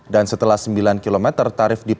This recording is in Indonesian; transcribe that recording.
dan setelah sembilan kilometer tarif dipatok rp tiga